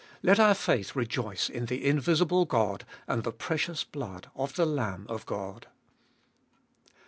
Let our faith rejoice in the invisible God and the precious blood of the Lamb of God.